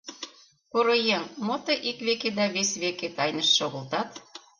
— Поро еҥ, мо тый ик веке да вес веке тайнышт шогылтат?